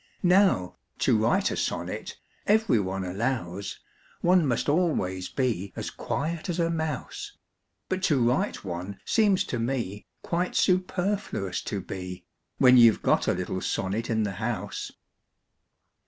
Now, to write a sonnet, every one allows, One must always be as quiet as a mouse; But to write one seems to me Quite superfluous to be, When you 've got a little sonnet in the house.